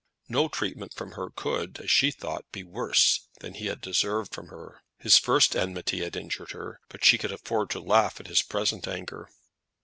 No treatment from her could, as she thought, be worse than he had deserved from her. His first enmity had injured her, but she could afford to laugh at his present anger.